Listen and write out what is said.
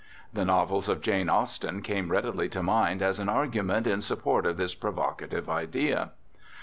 The novels of Jane Austen come readily to mind as an argument in support of this provocative idea.